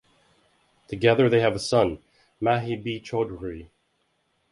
Together they have a son, Mahi B. Chowdhury.